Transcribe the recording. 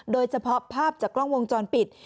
โดยเฉพาะภาพจากกล้องวงจรปิด